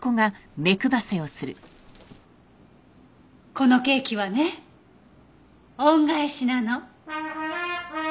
このケーキはね恩返しなの。